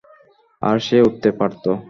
আর সে উড়তে পারত।